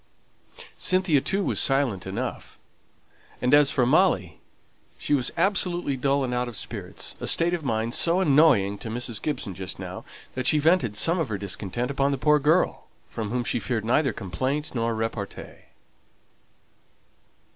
Cynthia too was silent enough; and as for Molly, she was absolutely dull and out of spirits, a state of mind so annoying to Mrs. Gibson just now, that she vented some of her discontent upon the poor girl, from whom she feared neither complaint nor repartee.